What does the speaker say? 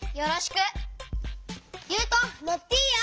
ゆうとのっていいよ！